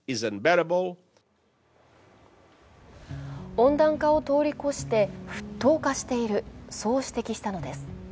温暖化を通り越して沸騰化している、そう指摘したのです。